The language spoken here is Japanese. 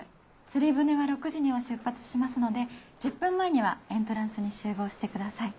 釣り船は６時には出発しますので１０分前にはエントランスに集合してください。